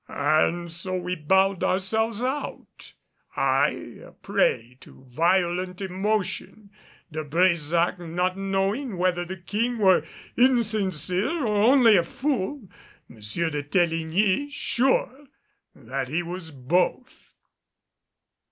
And so we bowed ourselves out, I a prey to violent emotion, De Brésac not knowing whether the King were insincere or only a fool M. de Teligny sure that he was both.